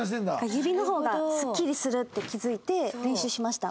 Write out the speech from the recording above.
指の方がすっきりするって気付いて練習しました。